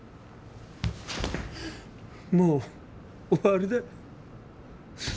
もう終わりだ。